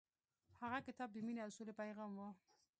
هغه کتاب د مینې او سولې پیغام و.